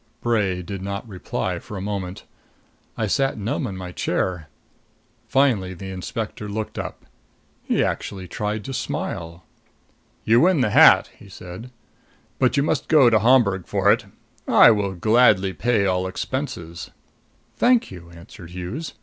Bray did not reply for a moment. I sat numb in my chair. Finally the inspector looked up. He actually tried to smile. "You win the hat," he said, "but you must go to Homburg for it. I will gladly pay all expenses." "Thank you," answered Hughes.